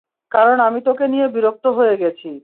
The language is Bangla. কারন আমি তোকে নিয়ে বিরক্ত হয়ে গেছি!